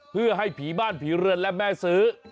เพื่อให้ผีบ้านผีเรือนและแม่ซื้อ